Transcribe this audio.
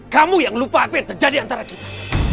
kamu yang lupa apa yang terjadi antara kita